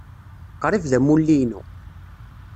Qrib d amulli-inu.